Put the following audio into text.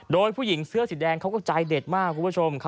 โดยผู้หญิงเสื้อสีแดงเขาก็ใจเด็ดมากคุณผู้ชม